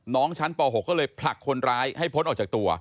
น้องชั้นป๖ก็เลยผลักคนร้ายให้พ้นออกจากตัว